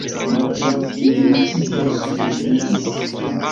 Maltrankviligita, ŝi ekridis.